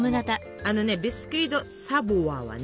あのねビスキュイ・ド・サヴォワはね